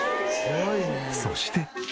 そして。